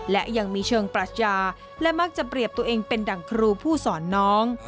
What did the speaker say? และยังมีเชิงปรัชญาและมักจะเปรียบตัวเองเป็นดั่งครูผู้สอนน้อง